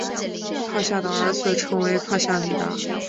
帕夏的儿子称为帕夏札达。